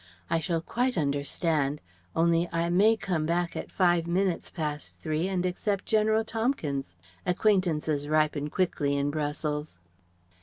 I shall quite understand; only I may come back at five minutes past three and accept General Tompkins. Acquaintances ripen quickly in Brussels."